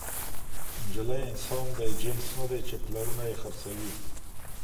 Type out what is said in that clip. نجلۍ انسان دی، جنس ندی، چي پلرونه ئې خرڅوي